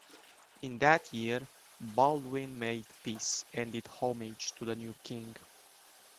In that year, Baldwin made peace and did homage to the new King.